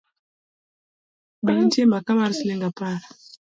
Be nitie maka mar siling’ apar?